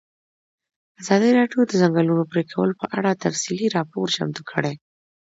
ازادي راډیو د د ځنګلونو پرېکول په اړه تفصیلي راپور چمتو کړی.